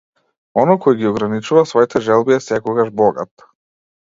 Оној кој ги ограничува своите желби е секогаш богат.